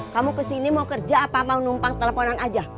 kamu kesini mau kerja apa apa mau numpang teleponan aja